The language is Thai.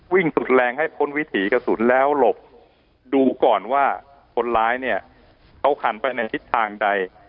สุดแรงให้พ้นวิถีกระสุนแล้วหลบดูก่อนว่าคนร้ายเนี่ยเขาหันไปในทิศทางใด